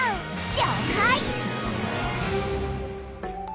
りょうかい！